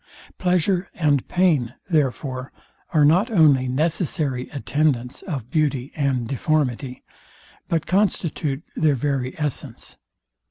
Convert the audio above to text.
Pleasure and pain, therefore, are not only necessary attendants of beauty and deformity, but constitute their very essence.